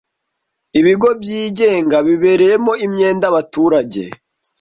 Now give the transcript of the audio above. Ibigo byigenga bibereyemo imyenda abaturage